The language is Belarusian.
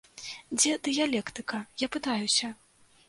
Дзе дыялектыка, я пытаюся?